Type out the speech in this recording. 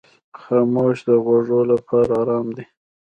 خاموشي د غوږو لپاره آرام دی.